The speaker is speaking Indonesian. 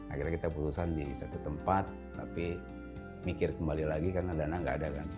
akhirnya kita putusan di satu tempat tapi mikir kembali lagi karena dana nggak ada kan